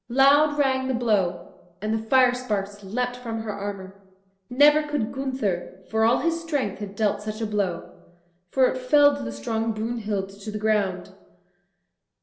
Loud rang the blow, and the fire sparks leapt from her armour. Never could Gunther, for all his strength, have dealt such a blow, for it felled the strong Brunhild to the ground.